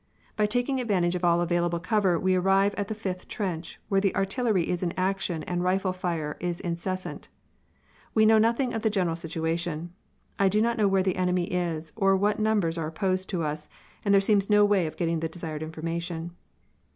By taking advantage of all available cover we arrive at the fifth trench, where the artillery is in action and rifle fire is incessant. We know nothing of the general situation. I do not know where the enemy is, or what numbers are opposed to us, and there seems no way of getting the desired information.